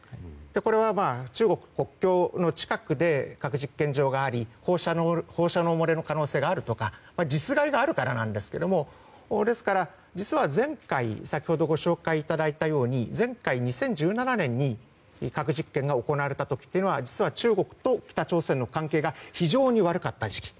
これは中国国境の近くで核実験場があり放射能漏れの可能性があるとか実害があるからなんですがですから、実は前回先ほどご紹介いただいたとおり前回２０１７年に核実験が行われた時というのは実は、中国と北朝鮮の関係が非常に悪かった時期。